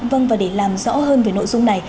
vâng và để làm rõ hơn về nội dung này